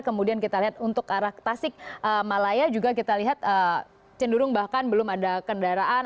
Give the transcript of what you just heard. kemudian kita lihat untuk arah tasik malaya juga kita lihat cenderung bahkan belum ada kendaraan